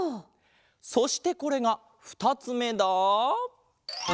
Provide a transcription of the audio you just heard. そしてこれがふたつめだ。